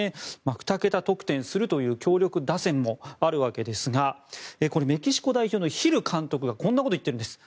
２桁得点するという強力打線もあるわけですがメキシコ代表のヒル監督がこんなことを言っているんです。